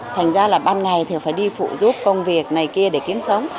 thành ra là ban ngày thì phải đi phụ giúp công việc này kia để kiếm sống